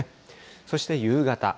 そして夕方。